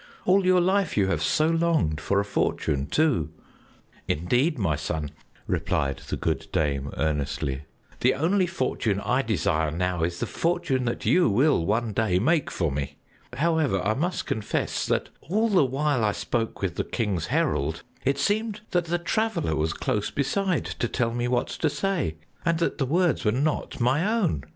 All your life you have so longed for a fortune, too!" "Indeed, my son," replied the good dame earnestly, "the only fortune I desire now is the fortune that you will one day make for me. However, I must confess that all the while I spoke with the king's herald, it seemed that the Traveler was close beside to tell me what to say, and that the words were not my own.